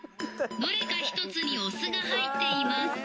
どれか１つにお酢が入っています。